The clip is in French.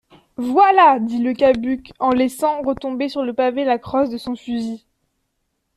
Voilà ! dit Le Cabuc en laissant retomber sur le pavé la crosse de son fusil.